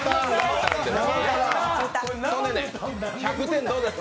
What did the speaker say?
１００点どうですか？